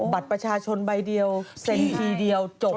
บัตรประชาชนใบเดียวเซ็นทีเดียวจบ